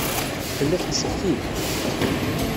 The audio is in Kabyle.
Tella tettcetki-d.